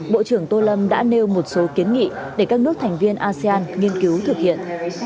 bộ trưởng tô lâm đã nêu một số kiến nghị để các nước thành viên asean nghiên cứu thực hiện